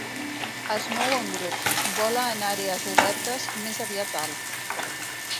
Es mou en grups, vola en àrees obertes, més aviat alt.